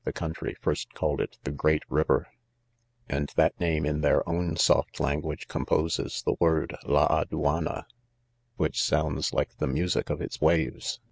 the country, first called it the " great river ;" and that name in their own soft language, composes the word Ladauanna, which sounds like the music of its waves'.